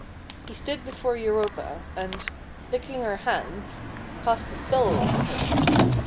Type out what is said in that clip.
He stood before Europa, and, licking her hands, cast a spell over her.